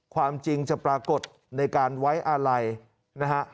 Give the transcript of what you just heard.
ความจริงจะปรากฏในการไว้อาลัยนะครับ